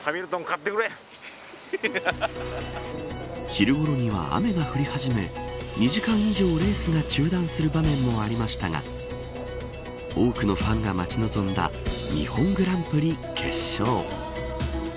昼ごろには雨が降り始め２時間以上レースが中断する場面もありましたが多くのファンが待ち望んだ日本グランプリ決勝。